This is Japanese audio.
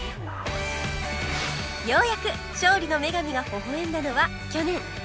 ようやく勝利の女神がほほ笑んだのは去年